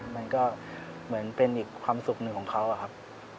มันก็เหมือนเป็นอีกความสุขหนึ่งของเขาอะครับ